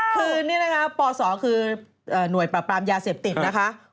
คือนี่นะคะปศคือหน่วยปราบปรามยาเสพติดนะคะ